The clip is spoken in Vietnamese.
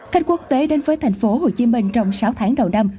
khách quốc tế đến với thành phố hồ chí minh trong sáu tháng đầu năm